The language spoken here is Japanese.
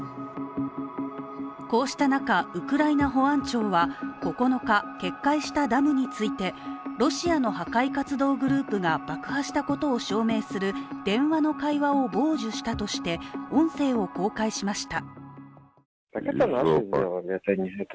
こうした中、ウクライナ保安庁は９日、決壊したダムについてロシアの破壊活動グループが爆破したことを証明する電話の会話を傍受したとして音声を公開しました。